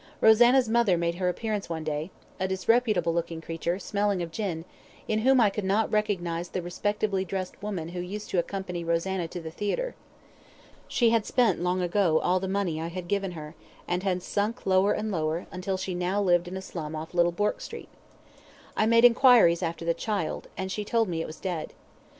Rosanna's mother made her appearance one day a disreputable looking creature, smelling of gin, in whom I could not recognise the respectably dressed woman who used to accompany Rosanna to the theatre. She had spent long ago all the money I had given her, and had sank lower and lower, until she now lived in a slum off Little Bourke Street. I made enquiries after the child, and she told me it was dead.